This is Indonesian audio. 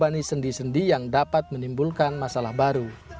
ini sendi sendi yang dapat menimbulkan masalah baru